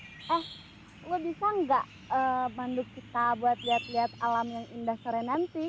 eh lo bisa nggak manduk kita buat lihat lihat alam yang indah serenanti